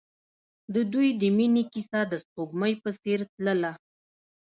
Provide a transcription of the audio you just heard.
د دوی د مینې کیسه د سپوږمۍ په څېر تلله.